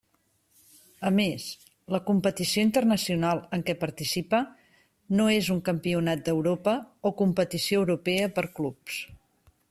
A més, la competició internacional en què participa no és un campionat d'Europa o competició europea per clubs.